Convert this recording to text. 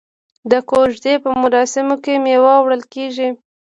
د کوژدې په مراسمو کې میوه وړل کیږي.